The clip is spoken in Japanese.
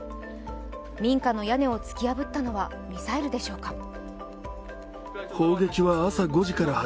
民家の屋根を突き破ったのはミサイルでしょうか。